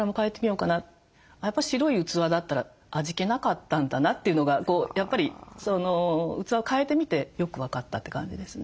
やっぱ白い器だったら味気なかったんだなというのがやっぱり器を替えてみてよく分かったって感じですね。